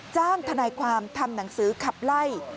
ทนายความทำหนังสือขับไล่